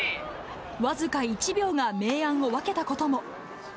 僅か１秒が明暗を分けたことも。